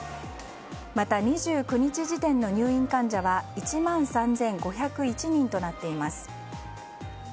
また、２９日時点の入院患者は１万３５０１人となっています。